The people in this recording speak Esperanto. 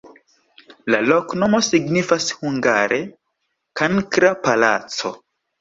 La loknomo signifas hungare: kankra-palaco.